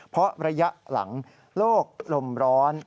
เพราะระยะหลังโลกลมร้อน